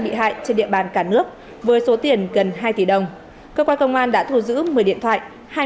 bị hại trên địa bàn cả nước với số tiền gần hai tỷ đồng cơ quan công an đã thu giữ một mươi điện thoại